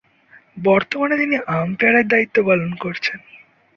বর্তমানে তিনি আম্পায়ারের দায়িত্ব পালন করছেন।